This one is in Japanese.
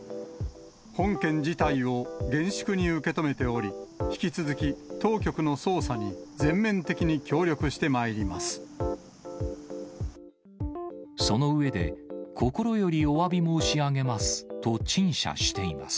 本件事態を厳粛に受け止めており、引き続き、当局の捜査に全その上で、心よりおわび申し上げますと陳謝しています。